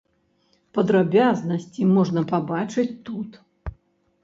Падрабязнасці можна пабачыць тут.